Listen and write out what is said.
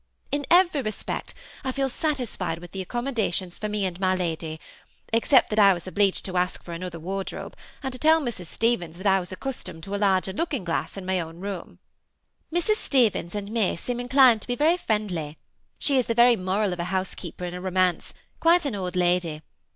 In every respect I feel satisfied with the accommodations for me and my Lady, except that I was obleeged to ask for another wardrobe, and to tell Mrs. Stevens that I was accustomed to a larger looking glass in my own room. Mrs. Stevens' and me seem inclined to be very friendly ; she is the very moral of a housekeeper in a romance, quite an old lady.